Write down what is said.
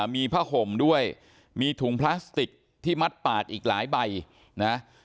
มีผ้าห่มด้วยมีถุงพลาสติกที่มัดปากอีกหลายใบนะ